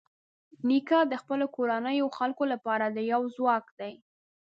نیکه د خپلو کورنیو خلکو لپاره یو ځواک دی.